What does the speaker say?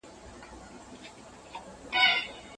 ځوانانو آنلاین کاروبارونه پیل کړي وو.